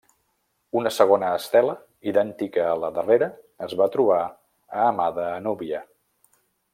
Una segona estela idèntica a la darrera es va trobar a Amada a Núbia.